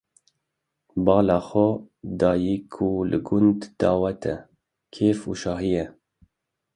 Bala xwe dayê ku li gund dawet e, kêf û şahî ye.